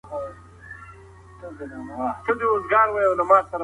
په توره کار دومره سم نسي مگر